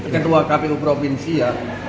kedua kpu provinsi ya